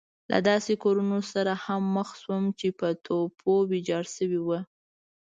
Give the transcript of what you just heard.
له داسې کورونو سره هم مخ شوم چې په توپو ويجاړ شوي وو.